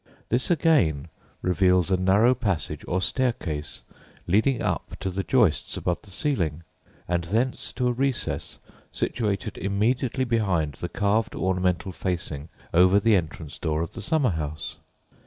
This again reveals a narrow passage, or staircase, leading up to the joists above the ceiling, and thence to a recess situated immediately behind the carved ornamental facing over the entrance door of the summer house.